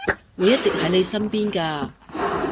會一直喺你身邊㗎